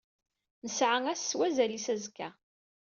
Nesɛa ass s wazal-is azekka.